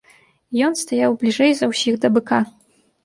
Ён стаяў бліжэй за ўсіх да быка.